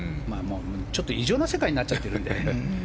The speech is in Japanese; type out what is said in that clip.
ちょっと異常な世界になっちゃってるので。